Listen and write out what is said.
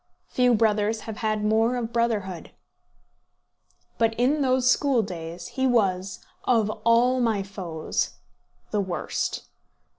Few brothers have had more of brotherhood. But in those school days he was, of all my foes, the worst.